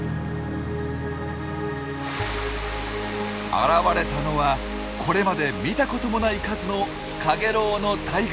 現れたのはこれまで見たこともない数のカゲロウの大群。